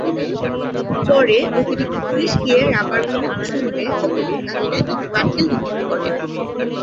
পরে অতিরিক্ত পুলিশ গিয়ে রাবার বুলেট ছুড়লে অবরোধকারীরা ইটপাটকেল নিক্ষেপ করেন।